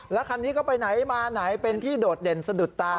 แล้วคันนี้ก็ไปไหนมาไหนเป็นที่โดดเด่นสะดุดตา